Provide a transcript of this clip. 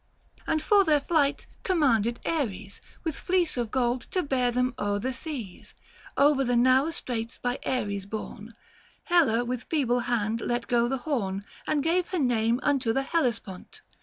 925 h 2 ; 100 THE FASTI. Book III. And for their flight commanded Aries With fleece of gold to bear them o'er the seas. Over the narrow straits by Aries borne, Helle with feeble hand let go the horn, And gave her name unto the Hellespont.